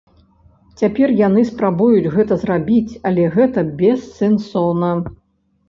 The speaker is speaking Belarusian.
Цяпер яны спрабуюць гэта зрабіць, але гэта бессэнсоўна.